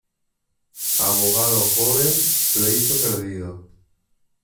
Abogado joven, pleito perdido.